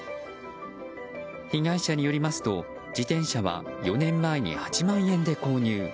被害者によりますと自転車は４年前に８万円で購入。